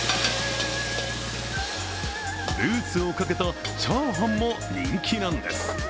ルースをかけたチャーハンも人気なんです。